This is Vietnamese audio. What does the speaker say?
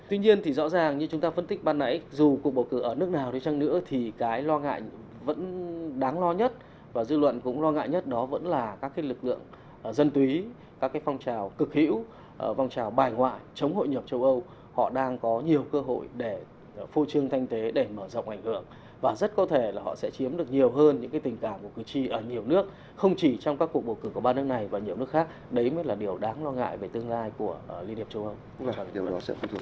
tuy nhiên thì rõ ràng như chúng ta phân tích ban nãy dù cuộc bầu cử ở nước nào đi chăng nữa thì cái lo ngại vẫn đáng lo nhất và dư luận cũng lo ngại nhất đó vẫn là các cái lực lượng dân túy các cái phong trào cực hữu phong trào bài ngoại chống hội nhập châu âu họ đang có nhiều cơ hội để phô trương thanh tế để mở rộng ảnh hưởng và rất có thể là họ sẽ chiếm được nhiều hơn những cái tình cảm của cử tri ở nhiều nước không chỉ trong các cuộc bầu cử của ba nước này và nhiều nước khác đấy mới là điều đáng lo ngại về tương lai của liên hiệp châu âu